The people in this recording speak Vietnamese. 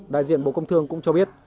đại diện bộ công thương cũng cho biết